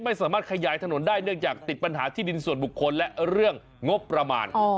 ไม่สามารถขยายถนนได้เนื่องจากติดปัญหาที่ดินส่วนบุคคลและเรื่องงบประมาณ